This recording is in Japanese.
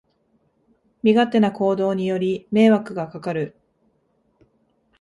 身勝手な行動により迷惑がかかる